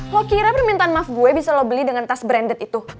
lo kira permintaan maaf gue bisa lo beli dengan tas branded itu